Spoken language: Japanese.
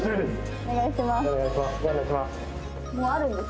お願いします